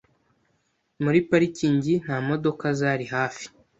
Muri parikingi nta modoka zari hafi.